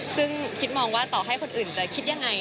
ซึ่งคิดมองว่าต่อให้คนอื่นจะคิดยังไง